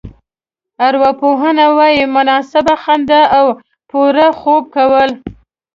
ارواپوهنه وايي مناسبه خندا او پوره خوب کول.